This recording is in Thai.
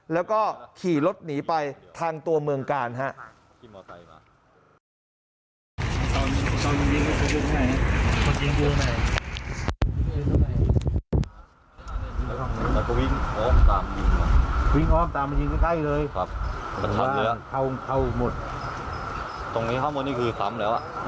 แล้วก็ขี่รถหนีไปทางตัวเมืองกาลครับ